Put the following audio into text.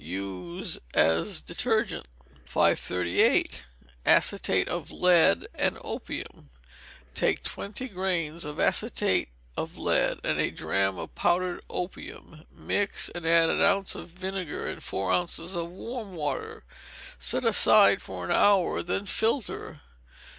Use as a detergent. 538. Acetate of Lead with Opium Take twenty grains of acetate of lead, and a drachm of powdered opium, mix, and add an ounce of vinegar and four ounces of warm water, set aside for an hour, then filter.